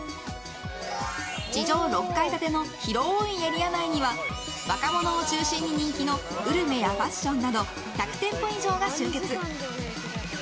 地上６階建ての広いエリア内には若者を中心に人気のグルメやファッションなど１００店舗以上が集結。